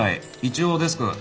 一応デスク。